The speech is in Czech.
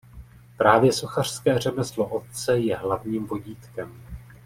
Právě sochařské řemeslo otce je hlavním vodítkem.